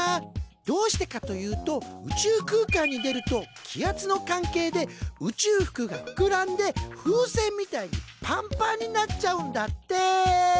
どうしてかというと宇宙空間に出ると気圧の関係で宇宙服がふくらんで風船みたいにパンパンになっちゃうんだって！